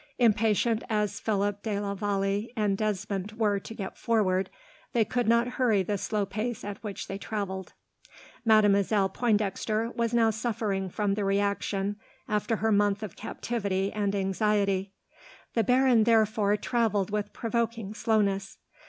Impatient as Philip de la Vallee and Desmond were to get forward, they could not hurry the slow pace at which they travelled. Mademoiselle Pointdexter was now suffering from the reaction after her month of captivity and anxiety. The baron therefore travelled with provoking slowness.